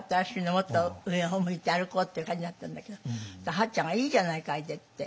もっと上を向いて歩こうっていう感じだったんだけど八ちゃんが「いいじゃないかあれで」って